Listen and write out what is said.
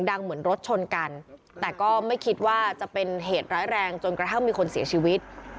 เหมือนรถชนกันแต่ก็ไม่คิดว่าจะเป็นเหตุร้ายแรงจนกระทั่งมีคนเสียชีวิต